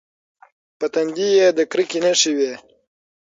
په تندي یې د کرکې نښې وې.